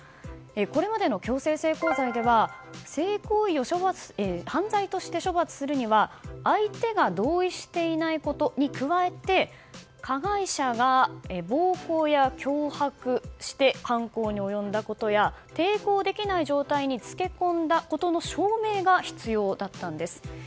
これまでの強制性交罪では性行為を犯罪として処罰するには相手が同意していないことに加えて加害者が暴行や脅迫して犯行に及んだことや抵抗できない状態につけ込んだことの証明が必要だったんです。